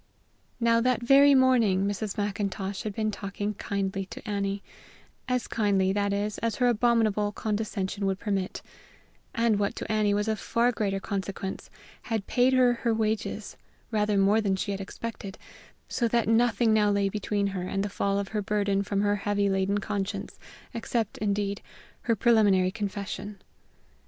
Now that very morning Mrs. Macintosh had been talking kindly to Annie as kindly, that is, as her abominable condescension would permit and, what to Annie was of far greater consequence, had paid her her wages, rather more than she had expected, so that nothing now lay between her and the fall of her burden from her heavy laden conscience, except, indeed, her preliminary confession.